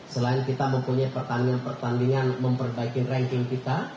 selain kita mempunyai pertandingan pertandingan memperbaiki ranking kita